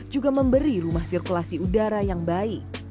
juga memberi rumah sirkulasi udara yang baik